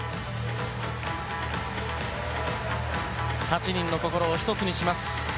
８人の心を１つにします。